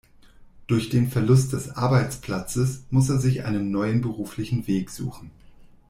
Durch den Verlust des Arbeitsplatzes muss er sich einen neuen beruflichen Weg suchen.